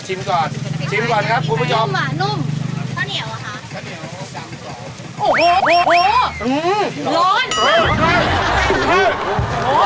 ชิมก่อนครับครูผู้จำ